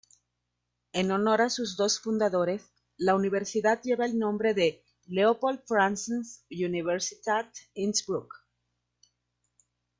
En honor a sus dos fundadores, la universidad lleva el nombre de "Leopold-Franzens-Universität Innsbruck".